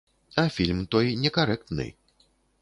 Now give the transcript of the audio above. А фільм той некарэктны.